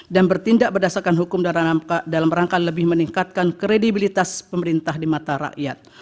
dan bertindak berdasarkan hukum dalam rangka lebih meningkatkan kredibilitas pemerintah di mata rakyat